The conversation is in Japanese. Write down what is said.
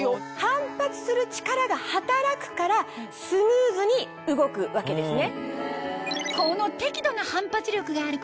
反発する力が働くからスムーズに動くわけですね。